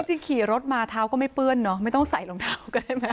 จริงขี่รถมาเท้าก็ไม่เปื้อนเนอะไม่ต้องใส่รองเท้าก็ได้ไหม